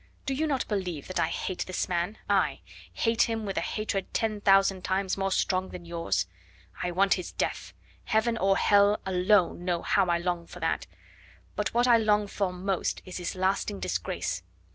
Do you not believe that I hate this man aye! hate him with a hatred ten thousand times more strong than yours? I want his death Heaven or hell alone know how I long for that but what I long for most is his lasting disgrace.